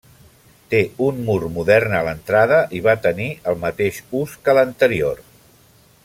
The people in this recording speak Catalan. Té un mur modern a l'entrada i va tenir el mateix ús que l'anterior.